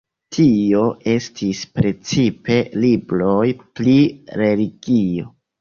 Tio estis precipe libroj pri religio.